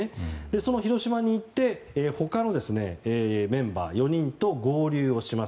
その広島に行って他のメンバー４人と合流します。